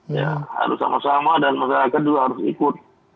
ya harus sama sama dan masyarakat juga harus ikut